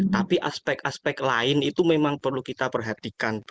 tapi aspek aspek lain itu memang perlu kita perhatikan